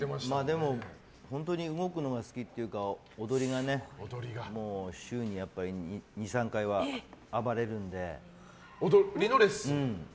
でも、本当に動くのが好きっていうか踊りがねもう週に２３回は暴れるので。